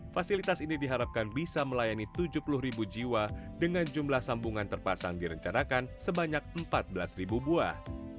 fasilitas ini diharapkan bisa melayani tujuh puluh ribu jiwa dengan jumlah sambungan terpasang direncanakan sebanyak empat belas buah